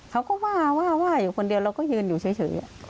เขาก็ว่าว่าอยู่คนเดียวเราก็ยืนอยู่เฉย